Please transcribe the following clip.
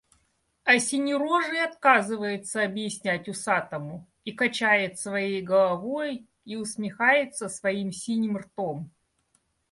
А синерожий отказывается объяснять усатому, и качает своей головой, и усмехается своим синим ртом.